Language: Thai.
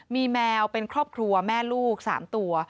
มีแมวเป็นครอบครัวแม่ลูก๓ตัว